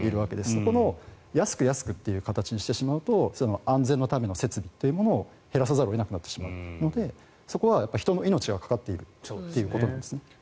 そこを安く安くっていう形にしてしまうと安全のための設備というのを減らさざるを得なくなるのでそこは人の命がかかっているということなんです。